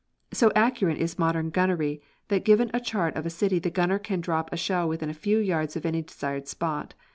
So accurate is modern gunnery that given a chart of a city the gunner can drop a shell within a few yards of any desired spot.